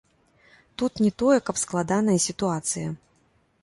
Тут не тое, каб складаная сітуацыя.